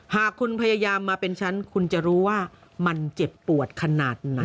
หากคุณพยายามมาเป็นฉันคุณจะรู้ว่ามันเจ็บปวดขนาดไหน